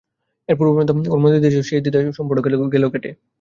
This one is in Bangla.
এর পূর্ব পর্যন্ত ওর মনে দ্বিধা ছিল, সে দ্বিধা সম্পূর্ণ গেল কেটে।